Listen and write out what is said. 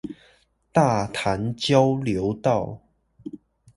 大潭交流道